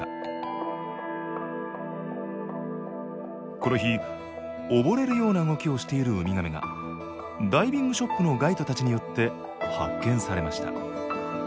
この日溺れるような動きをしているウミガメがダイビングショップのガイドたちによって発見されました